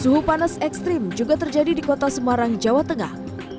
suhu panas ekstrim juga terjadi di kota semarang jawa tengah